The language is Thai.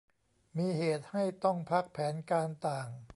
มีเหตุให้ต้องพักแผนการต่าง